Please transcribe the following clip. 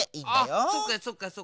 あそっかそっかそっか。